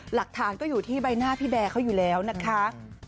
หลักฐานก็อยู่ที่ใบหน้าพี่แบร์เขาอยู่แล้วนะคะ